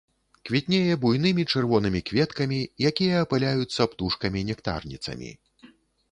Квітнее буйнымі чырвонымі кветкамі, якія апыляюцца птушкамі нектарніцамі.